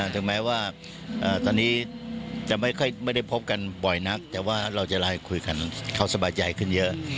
แต่ไม่ได้พบกันบ่อยนักแต่ว่าเราจะลายคุยกันเขาสบายใจขึ้นเยอะ